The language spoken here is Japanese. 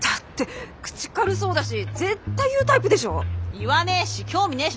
言わねえし興味ねえし